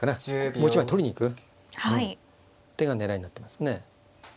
もう一枚取りに行く手が狙いになってますね。